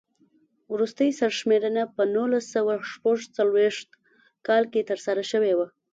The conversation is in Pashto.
وروستۍ سر شمېرنه په نولس سوه شپږ څلوېښت کال کې ترسره شوې وه.